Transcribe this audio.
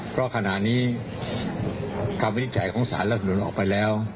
เพราะขณะนี้คำวินิจฉัยของสารรัฐสนุนออกไปแล้ว